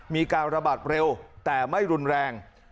มีการระบาดเร็วแต่ไม่รุนแรง